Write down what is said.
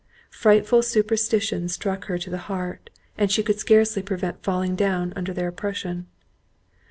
Frightful superstitions struck her to the heart, and she could scarcely prevent falling down under their oppression.